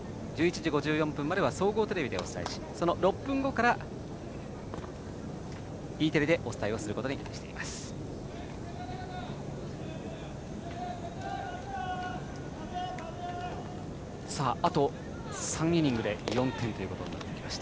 １１時５４分までは総合テレビでお伝えし６分後からＥテレでお伝えをすることにしています。